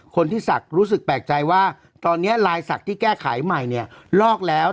ศักดิ์รู้สึกแปลกใจว่าตอนนี้ลายศักดิ์ที่แก้ไขใหม่เนี่ยลอกแล้ว